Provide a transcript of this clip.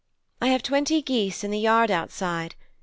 I have twenty geese in the yard outside.